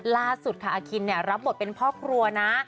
ล่าสุดค่ะอาคินรับบทเป็นพ่อครัวนะ